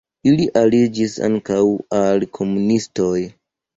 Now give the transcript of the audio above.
Ili aliĝis ankaŭ al komunistoj.